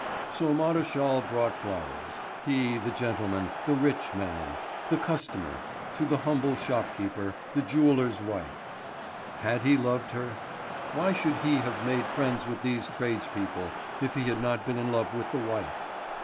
So Maréchal brought flowers; he, the gentleman, the rich man, the customer, to the humble shop keeper, the jeweller's wife. Had he loved her? Why should he have made friends with these tradespeople if he had not been in love with the wife?